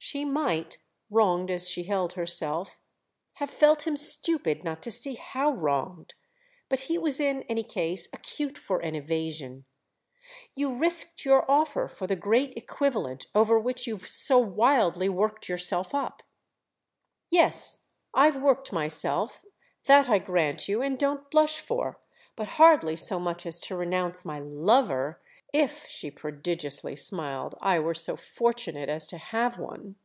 She might, wronged as she held herself, have felt him stupid not to see how wronged; but he was in any case acute for an evasion. "You risked your offer for the great equivalent over which you've so wildly worked yourself up." "Yes, I've worked myself—that, I grant you and don't blush for! But hardly so much as to renounce my 'lover'—if," she prodigiously smiled, "I were so fortunate as to have one!"